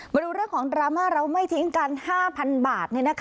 มาดูเรื่องของดราม่าเราไม่ทิ้งกัน๕๐๐๐บาท